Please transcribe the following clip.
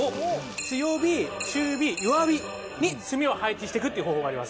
強火中火弱火に炭を配置してくっていう方法があります・